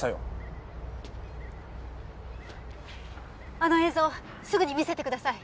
あの映像すぐに見せてください。